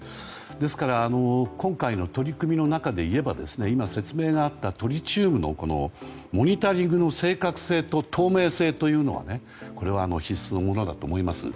ですから今回の取り組みの中でいえば今、説明があったトリチウムのモニタリングの正確性と透明性というのは必須のものだと思います。